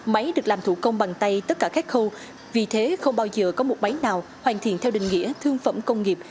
máy được làm thủ công bằng tay tất cả các khâu vì thế không bao giờ có một máy nào hoàn thiện theo định nghĩa thương phẩm công nghiệp